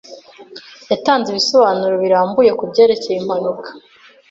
Yatanze ibisobanuro birambuye kubyerekeye impanuka.